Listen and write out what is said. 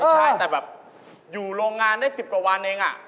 ใช่แต่แบบอยู่โรงงานได้๑๐กว่าวันเอง